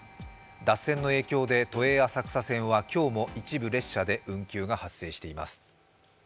脱線の影響で都営浅草線は今日も一部列車で運休が発生しています。